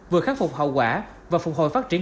vừa khắc phục hậu quả và phục hồi phát triển